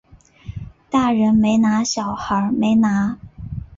大人没拿小孩没拿